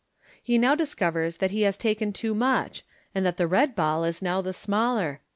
He now discovers that he has taken too much, and that the red ball is now the smaller.